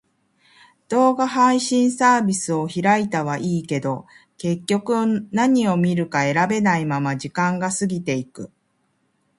動画配信サービスを開いたはいいけど、結局何を見るか選べないまま時間が過ぎていく。